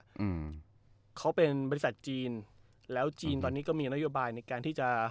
อืมเขาเป็นบริษัทจีนแล้วจีนตอนนี้ก็มีนโยบายในการที่จะ